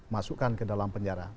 masukkan ke dalam penjara